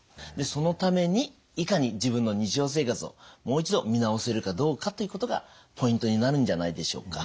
そのためにいかに自分の日常生活をもう一度見直せるかどうかということがポイントになるんじゃないでしょうか。